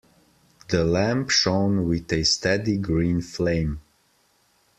The lamp shone with a steady green flame.